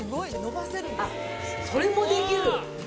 あっそれもできる？